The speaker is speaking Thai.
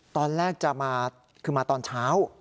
ตอนแรกจะมาคือมาตอนเช้า